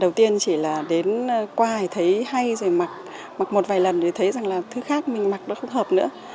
đầu tiên chỉ là đến qua thấy hay rồi mặc một vài lần thì thấy rằng là thứ khác mình mặc đó không thích